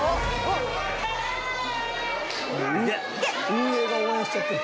運営が応援しちゃってる。